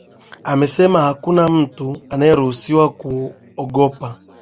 amesema hakuna mtu anayeruhusiwa kuogopa